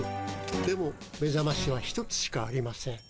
でもめざましは１つしかありません。